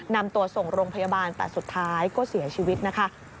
นำตัวส่งโรงพยาบาลแต่สุดท้ายก็เสียชีวิตนะคะ